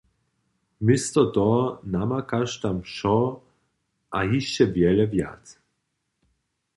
Město toho namakaš tam wšo a hišće wjele wjace.